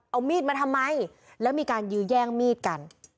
เอามีดมาทำไมแล้วมีการยื้อแย่งมีดกัน